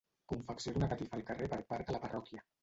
Confecció d'una catifa al carrer per part de la parròquia.